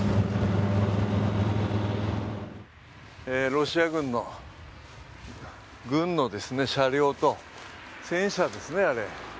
ロシア軍の軍の車両と戦車ですね、あれ。